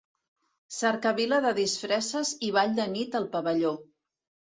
Cercavila de disfresses i ball de nit al pavelló.